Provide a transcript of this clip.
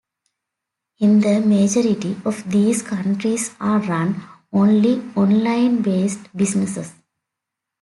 In the majority of these countries are run only online-based businesses.